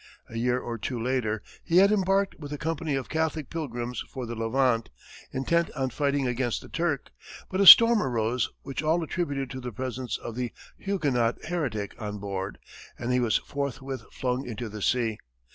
A year or two later, he had embarked with a company of Catholic pilgrims for the Levant, intent on fighting against the Turk, but a storm arose which all attributed to the presence of the Huguenot heretic on board, and he was forthwith flung into the sea.